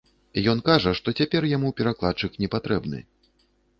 Ён кажа, што цяпер яму перакладчык не патрэбны.